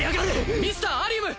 ミスターアリウム！